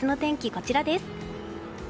こちらです。